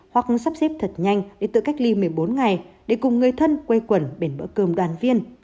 hoặc sắp xếp thật nhanh để tự cách ly một mươi bốn ngày để cùng người thân quay quẩn bền bữa cơm đoàn viên